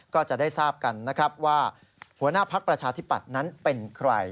ก็จะได้ทราบกันนะครับว่าหัวหน้าพักประชาธิปัตย์นั้นเป็นใคร